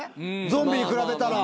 ゾンビに比べたら。